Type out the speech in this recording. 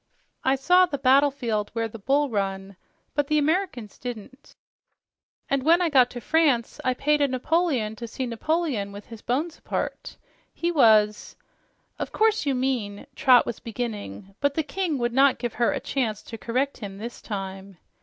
I saw the battlefield where the Bull Run but the Americans didn't, and when I got to France I paid a napoleon to see Napoleon with his boney apart. He was " "Of course you mean " Trot was beginning, but the king would not give her a chance to correct him this time.